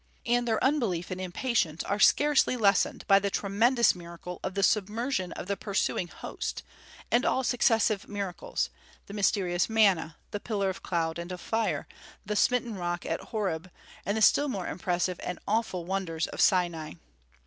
And their unbelief and impatience are scarcely lessened by the tremendous miracle of the submersion of the pursuing host, and all successive miracles, the mysterious manna, the pillar of cloud and of fire, the smitten rock at Horeb, and the still more impressive and awful wonders of Sinai.